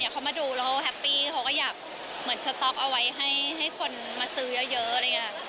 เขามาดูแล้วเขาแฮปปี้เขาก็อยากสต็อกเอาไว้ให้คนมาซื้อเยอะเลยนะครับ